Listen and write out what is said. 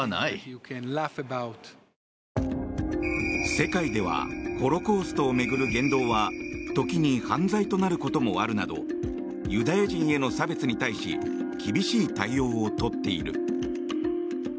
世界ではホロコーストを巡る言動は時に犯罪となることもあるなどユダヤ人への差別に対し厳しい対応をとっている。